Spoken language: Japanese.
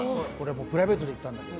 プライベートで行ったんだけど。